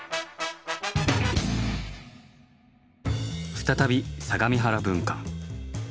再び相模原分館。